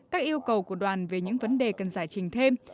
các yêu cầu của đoàn về những vấn đề cần giải trình thêm